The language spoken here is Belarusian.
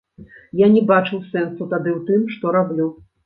Я не бачыў сэнсу тады ў тым, што раблю.